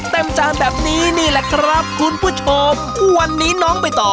จานแบบนี้นี่แหละครับคุณผู้ชมวันนี้น้องไปต่อ